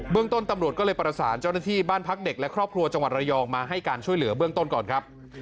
ต้นตำรวจก็เลยประสานเจ้าหน้าที่บ้านพักเด็กและครอบครัวจังหวัดระยองมาให้การช่วยเหลือเบื้องต้นก่อนครับ